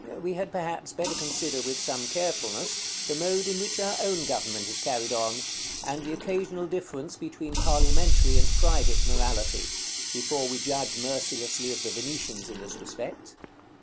We had, perhaps, better consider, with some carefulness, the mode in which our own government is carried on, and the occasional difference between parliamentary and private morality, before we judge mercilessly of the Venetians in this respect.